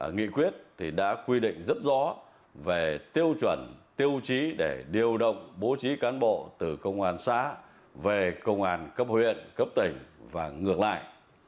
nghị quyết đã quy định rất rõ về tiêu chuẩn tiêu chí để điều động bố trí cán bộ từ công an xã về công an cấp huyện cấp tỉnh và ngược lại